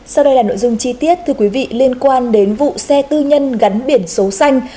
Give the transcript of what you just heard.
sau đây là nội dung chi tiết thưa quý vị liên quan đến vụ xe tư nhân gắn biển số xanh